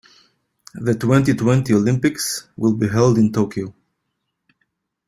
The twenty-twenty Olympics will be held in Tokyo.